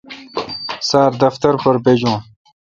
سار دفتر پر بجون۔